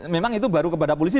memang itu baru kepada polisi